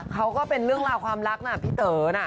ก็เป็นเรื่องราวความรักนะพี่เต๋อนะ